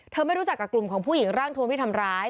ไม่รู้จักกับกลุ่มของผู้หญิงร่างทวมที่ทำร้าย